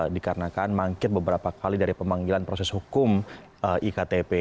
dikarenakan mangkir beberapa kali dari pemanggilan proses hukum iktp